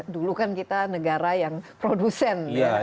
dulu kan kita negara yang produsen